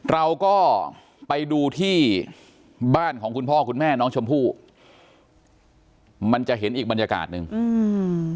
เราก็ไปดูที่บ้านของคุณพ่อคุณแม่น้องชมพู่มันจะเห็นอีกบรรยากาศหนึ่งอืม